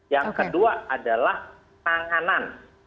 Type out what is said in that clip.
yang kedua adalah penanganan